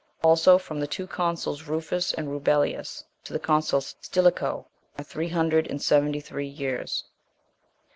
Also from the two consuls, Rufus and Rubelius, to the consul Stilicho, are three hundred and seventy three years.